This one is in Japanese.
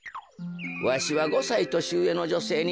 わしは５さいとしうえのじょせいにあこがれていた。